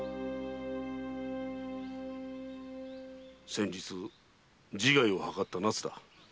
先日自害を図った奈津だ。